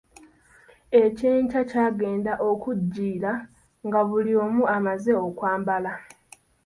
Ekyenkya kyagenda okujjira nga buli omu amazze okwambala.